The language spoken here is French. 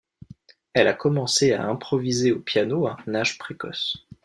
Elle a commencé à improviser au piano à un âge précoce.